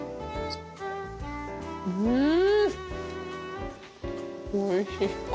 うん！